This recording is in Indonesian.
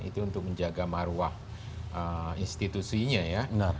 itu untuk menjaga maruah institusinya ya